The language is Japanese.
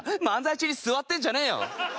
漫才中に座ってんじゃねえよ。